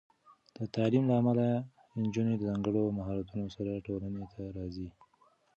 د تعلیم له امله، نجونې د ځانګړو مهارتونو سره ټولنې ته راځي.